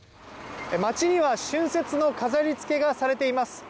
街には春節の飾りつけがされています。